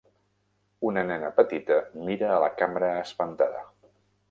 Una nena petita mira a la càmera espantada.